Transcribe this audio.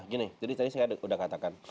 gini jadi tadi saya sudah katakan